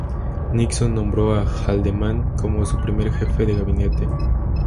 Nixon nombró a Haldeman como su primer Jefe de Gabinete.